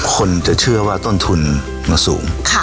คนจะเชื่อว่าต้นทุนมันสูง